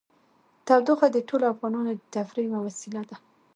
تودوخه د ټولو افغانانو د تفریح یوه وسیله ده.